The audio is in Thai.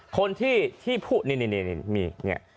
คนที่พูดนี่มีเนี่ย